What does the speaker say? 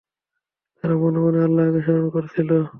তারা মনে মনে আল্লাহকে স্মরণ করছিল।